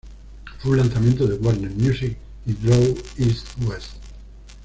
Fue un lanzamiento de Warner Music y Dro East West.